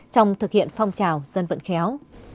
trong thực hiện phòng trào dân vận khéo